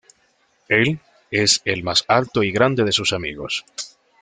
Él es el más alto y grande de sus amigos.